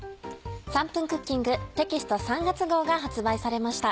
『３分クッキング』テキスト３月号が発売されました。